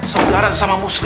saudara sama muslim